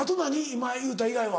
今言うた以外は。